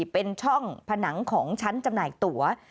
เป็นช่องผนังของชั้นจำหน่ายตั๋ว